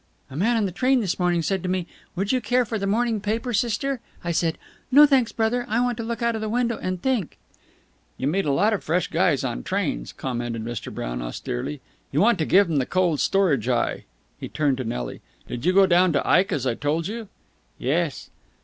"A man on the train this morning said to me, 'Would you care for the morning paper, sister?' I said, 'No, thanks, brother, I want to look out of the window and think!'" "You meet a lot of fresh guys on trains," commented Mr. Brown austerely. "You want to give 'em the cold storage eye." He turned to Nelly. "Did you go down to Ike, as I told you?" "Yes."